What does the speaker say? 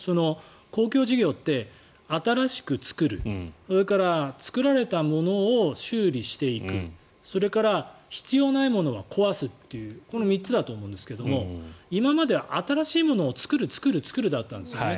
公共事業って新しく作るそれから作られたものを修理していくそれから必要ないものは壊すというこの３つだと思うんですけど今まで新しいものを作る作る作るだったんですよね。